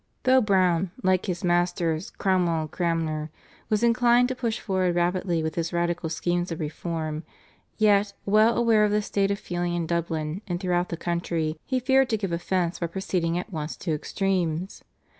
Though Browne, like his masters Cromwell and Cranmer, was inclined to push forward rapidly with his radical schemes of reform, yet, well aware of the state of feeling in Dublin and throughout the country, he feared to give offence by proceeding at once to extremes.